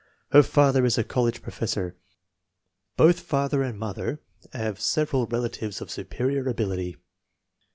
Her father is a college professor. Both father and mother have several relatives of superior ability.